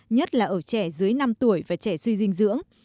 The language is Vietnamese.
nhất là ở trẻ dưới năm tuổi và trẻ suy dinh dưỡng